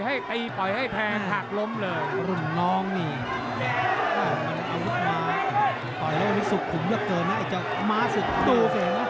มาสึกตู้เสียนะ